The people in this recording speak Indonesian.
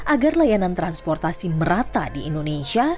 agar layanan transportasi merata di indonesia